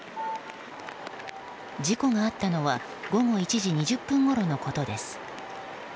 事故があったのは午後１時２０分ごろのことです。